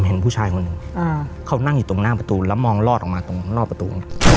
เห็นผู้ชายคนหนึ่งเขานั่งอยู่ตรงหน้าประตูแล้วมองลอดออกมาตรงรอบประตู